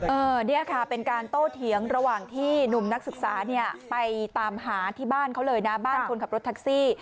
เนี่ยค่ะเป็นการโตเถียงระหว่างที่หนุ่มนักศึกษาเนี่ยไปตามหาที่บ้านเขาเลยนะบ้านคนขับรถแท็กซี่